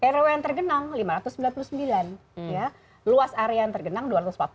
rw yang tergenang lima ratus sembilan puluh sembilan luas area yang tergenang dua ratus empat puluh